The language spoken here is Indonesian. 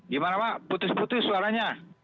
gimana pak putus putus suaranya